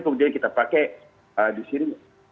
kemudian kita pakai di sini